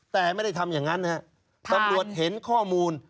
แต่ไม่ได้ทำอย่างนั้นตำรวจเห็นข้อมูล